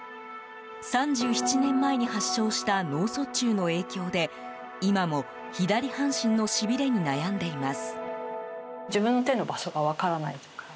３７年前に発症した脳卒中の影響で今も左半身のしびれに悩んでいます。